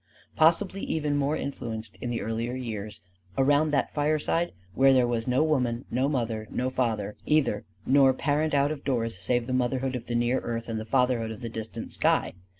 Possibly even more influenced in the earlier years around that fireside where there was no women, no mother, no father, either; nor parent out of doors save the motherhood of the near earth and the fatherhood of the distant sky.